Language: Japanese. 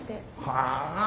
はあ？